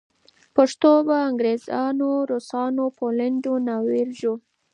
پښتو به انګریزانو، روسانو پولېنډو ناروېژو